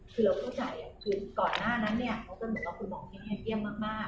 เผื่อเข้าใจคือก่อนหน้านั้นเนี่ยเขาก็เหมือนว่าคุณหมอเทคเยี่ยมมาก